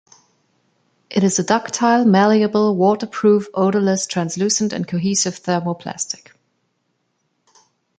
It is a ductile, malleable, waterproof, odorless, translucent and cohesive thermoplastic.